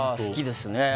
好きですね。